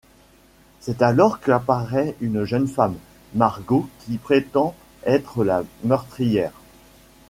C'est alors qu'apparaît une jeune femme, Margot, qui prétend être la meurtrière.